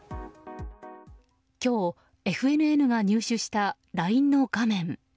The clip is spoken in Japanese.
今日、ＦＮＮが入手したＬＩＮＥの画面。